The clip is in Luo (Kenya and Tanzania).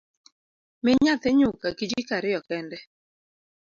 Mi nyathi nyuka kijiko ariyo kende